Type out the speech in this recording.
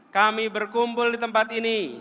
kami berkumpul di tempat ini